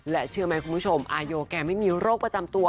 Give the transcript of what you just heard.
เชื่อไหมคุณผู้ชมอาโยแกไม่มีโรคประจำตัว